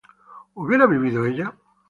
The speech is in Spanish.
¿hubiera vivido ella?